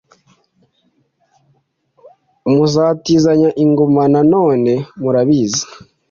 muzatizanya ingoma nanone murabizi.